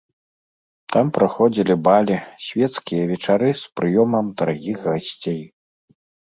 Там праходзілі балі, свецкія вечары з прыёмам дарагіх гасцей.